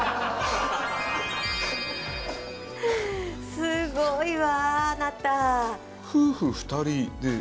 すごいわあなた。